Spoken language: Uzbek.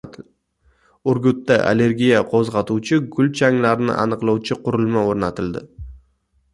Urgutda allergiyani qo‘zg‘atuvchi gul changlarini aniqlovchi qurilma o‘rnatildi